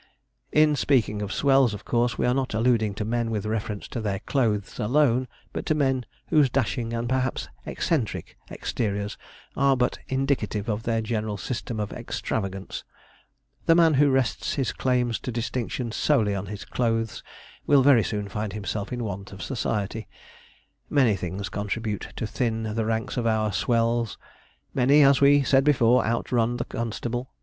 In speaking of 'swells,' of course we are not alluding to men with reference to their clothes alone, but to men whose dashing, and perhaps eccentric, exteriors are but indicative of their general system of extravagance. The man who rests his claims to distinction solely on his clothes will very soon find himself in want of society. Many things contribute to thin the ranks of our swells. Many, as we said before, outrun the constable.